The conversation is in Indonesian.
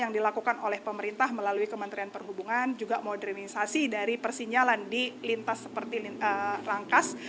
yang dilakukan oleh pemerintah melalui kementerian perhubungan juga modernisasi dari persinyalan di lintas seperti rangkas